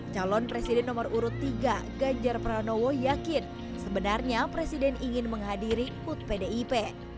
calon presiden nomor urut tiga ganjar pranowo yakin sebenarnya presiden ingin menghadiri hut pdip